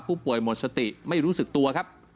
ผู้ป่วยหมดสติไม่รู้สึกตัวครับ